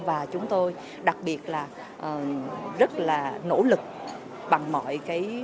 và chúng tôi đặc biệt là rất là nỗ lực bằng mọi cái